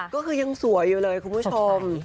ก็คือยังสวยอยู่เลยคุณผู้ชม